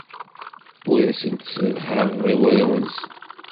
Ur asen-sseḍhareɣ i warraw-nsen.